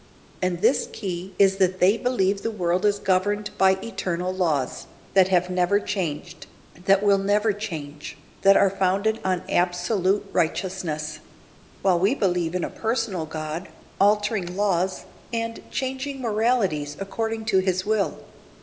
And this key is that they believe the world is governed by eternal laws, that have never changed, that will never change, that are founded on absolute righteousness; while we believe in a personal God, altering laws, and changing moralities according to His will.